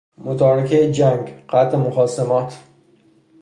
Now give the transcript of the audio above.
متارکهی جنگ، قطع مخاصمات